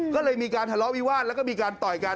ก็เลยมีการทะเลาะวิวาสแล้วก็มีการต่อยกัน